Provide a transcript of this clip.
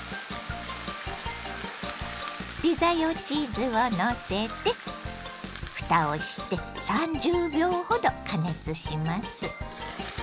ピザ用チーズをのせてふたをして３０秒ほど加熱します。